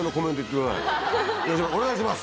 お願いします